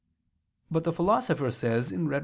But the Philosopher says (Rhet.